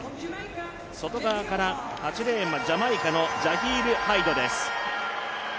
外側から８レーンのジャマイカのジャヒール・ハイドです。